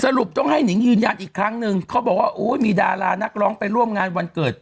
ต้องให้นิงยืนยันอีกครั้งหนึ่งเขาบอกว่าโอ้ยมีดารานักร้องไปร่วมงานวันเกิด